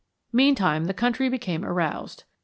Meantime the country became aroused.